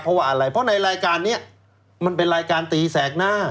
เพราะว่าอะไรเพราะในรายการนี้มันเป็นรายการตีแสกหน้า